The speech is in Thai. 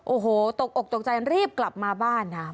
โอ้โหตกอกตกใจรีบกลับมาบ้านค่ะ